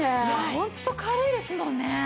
ホント軽いですもんね。